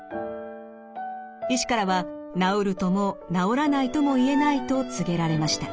医師からは「治るとも治らないとも言えない」と告げられました。